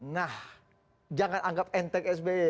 nah jangan anggap enteng sby